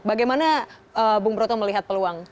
bagaimana bung broto melihat peluang